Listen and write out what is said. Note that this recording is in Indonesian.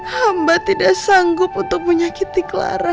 hamba tidak sanggup untuk menyakiti clara